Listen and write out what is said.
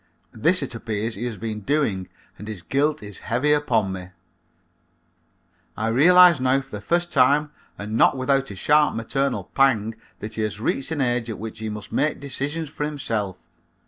This it appears he has been doing and his guilt is heavy upon him. I realize now for the first time and not without a sharp maternal pang that he has reached an age at which he must make decisions for himself.